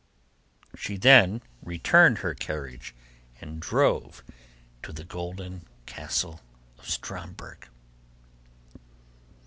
She then returned to her carriage and drove to the golden castle of Stromberg.